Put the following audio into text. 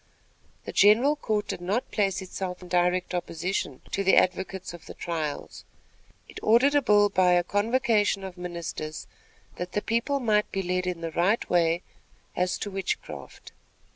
The general court did not place itself in direct opposition to the advocates of the trials. It ordered by bill a convocation of ministers, that the people might be led in the right way, as to the witchcraft.